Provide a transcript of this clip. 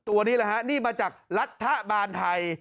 ตัวนี้แหละฮะนี่มาจากรัฐบาลไทย